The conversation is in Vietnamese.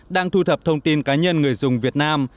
đang thu thập thông tin cá nhân người dùng việt nam